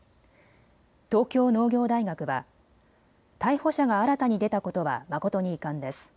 東京農業大学は逮捕者が新たに出たことは誠に遺憾です。